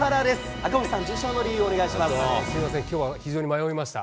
赤星さん、すみません、きょうは非常に迷いました。